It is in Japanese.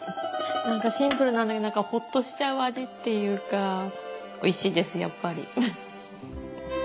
何かシンプルなんだけどホッとしちゃう味っていうかおいしいですやっぱり。